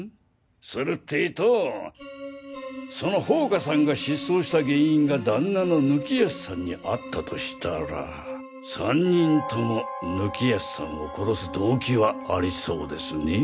するってとその宝華さんが失踪した原因が旦那の貫康さんにあったとしたら３人とも貫康さんを殺す動機はありそうですねぇ。